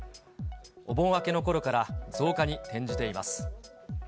お盆明けのころから増加に転じています。